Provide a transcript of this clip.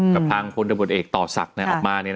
กับทางพลตบทเอกต่อศักดิ์ออกมา